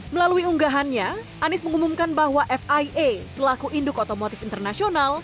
melalui unggahannya anies mengumumkan bahwa fia selaku induk otomotif internasional